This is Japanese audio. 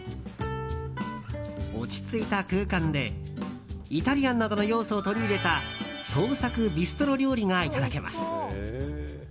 落ち着いた空間でイタリアンなどの要素を取り入れた創作ビストロ料理がいただけます。